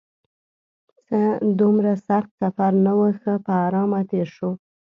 څه دومره سخت سفر نه و، ښه په ارامه تېر شو.